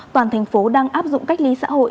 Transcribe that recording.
toàn thành phố đang áp dụng cách ly xã hội